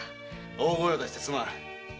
大声を出してすまぬ。